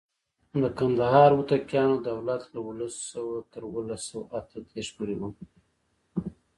د کندهار هوتکیانو دولت له اوولس سوه تر اوولس سوه اته دیرش پورې و.